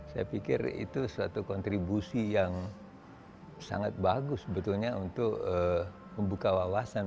saya pikir itu suatu kontribusi yang sangat bagus sebetulnya untuk membuka wawasan